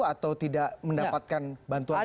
atau tidak mendapatkan bantuan sosial